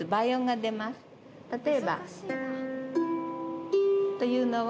例えば。というのを。